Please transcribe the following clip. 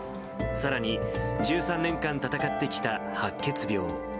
さらに１３年間闘ってきた白血病。